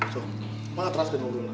so maat ras dan urus lah